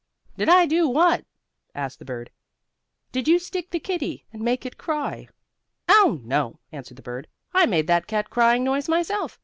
"Did I do what?" asked the bird. "Did you stick the kittie, and make it cry?" "Oh, no," answered the bird. "I made that cat crying noise myself.